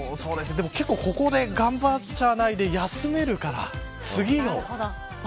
でも、結構ここで頑張っちゃわないで休めるから。